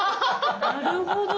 なるほど！